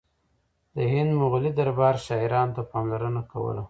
د هند مغلي دربار شاعرانو ته پاملرنه کوله